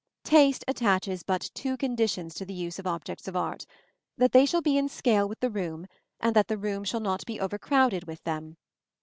Taste attaches but two conditions to the use of objects of art: that they shall be in scale with the room, and that the room shall not be overcrowded with them.